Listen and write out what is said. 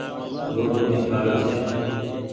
گھوڙو ڀي کآوي ڇي۔